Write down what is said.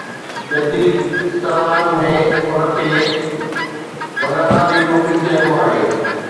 جديد اصطلاحن ۾ هن کي ’بنانا ريپبلڪ‘ چئبو آهي.